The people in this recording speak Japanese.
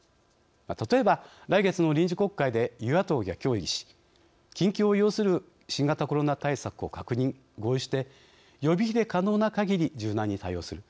例えば、来月の臨時国会で与野党が協議し緊急を要する新型コロナ対策を確認・合意して予備費で可能な限り柔軟に対応する。